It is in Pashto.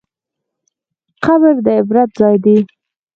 قبر د عبرت ځای دی.